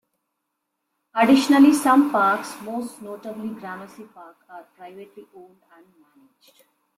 Additionally, some parks, most notably Gramercy Park, are privately owned and managed.